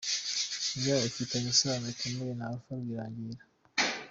Y ufitanye isano ikomeye na Alpha Rwirangira.